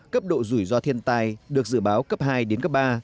cấp độ rủi ro thiên tai được dự báo cấp hai đến cấp ba